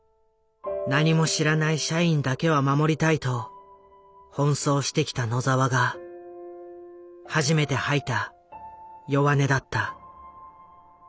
何も知らない社員だけは守りたいと奔走してきた野澤が初めて吐いた弱音だった。